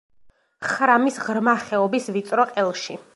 ხრამის ღრმა ხეობის ვიწრო ყელში.